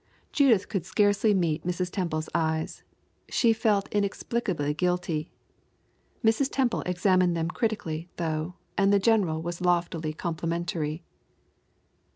Judith could scarcely meet Mrs. Temple's eyes. She felt inexplicably guilty. Mrs. Temple examined them critically, though, and the general was loftily complimentary.